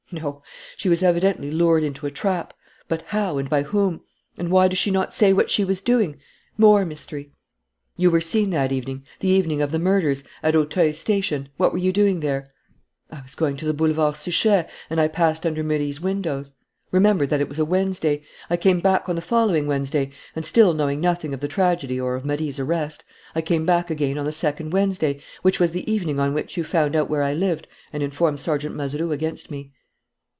"No. She was evidently lured into a trap. But how and by whom? And why does she not say what she was doing? More mystery." "You were seen that evening, the evening of the murders, at Auteuil station. What were you doing there?" "I was going to the Boulevard Suchet and I passed under Marie's windows. Remember that it was a Wednesday. I came back on the following Wednesday, and, still knowing nothing of the tragedy or of Marie's arrest, I came back again on the second Wednesday, which was the evening on which you found out where I lived and informed Sergeant Mazeroux against me."